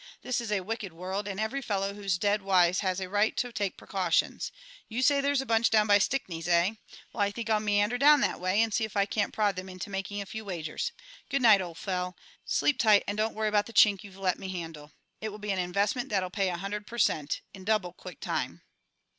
This is a wicked world, and every fellow who's dead wise has a right to take precautions. You say there's a bunch down by Stickney's, eh? Well, I think I'll meander down that way and see if I can't prod them into making a few wagers. Good night, old fel; sleep tight and don't worry about the chink you've let me handle. It will be an investment that'll pay a hundred per cent. in double quick time."